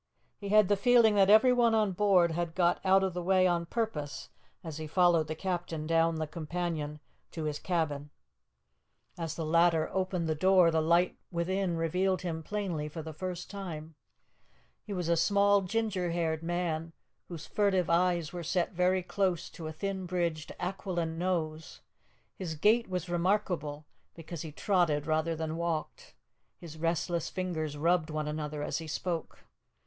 He had the feeling that everyone on board had got out of the way on purpose as he followed the captain down the companion to his cabin. As the latter opened the door the light within revealed him plainly for the first time. He was a small ginger haired man, whose furtive eyes were set very close to a thin bridged, aquiline nose; his gait was remarkable because he trotted rather than walked; his restless fingers rubbed one another as he spoke.